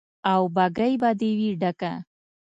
او بګۍ به دې وي ډکه